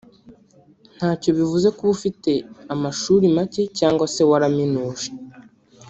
“Ntacyo bivuze kuba ufite amashuri make cyangwa se waraminuje